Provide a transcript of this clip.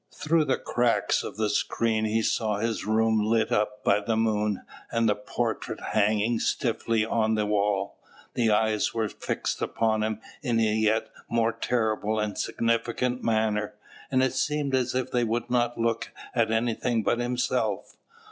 Through the cracks of the screen he saw his room lit up by the moon, and the portrait hanging stiffly on the wall. The eyes were fixed upon him in a yet more terrible and significant manner, and it seemed as if they would not look at anything but himself.